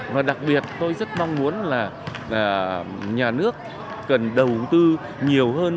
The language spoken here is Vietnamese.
và đặc biệt tôi rất mong muốn là nhà nước cần đầu tư nhiều hơn